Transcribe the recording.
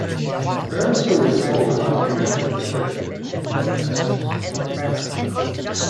Various stories are told about Judah to illustrate different aspects of his character.